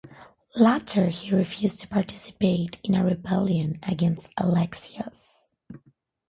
Later he refused to participate in a rebellion against Alexios.